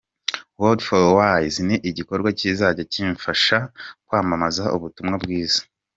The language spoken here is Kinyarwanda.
Word For Wise ni ikiganiro kizajya kimfasha kwamamaza ubutumwa bwiza.